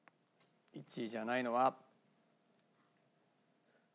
１位じゃないのは。